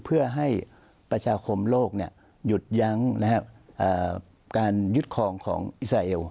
เพื่อให้ประชาคมโลกหยุดยั้งการยึดคลองของอิสราเอล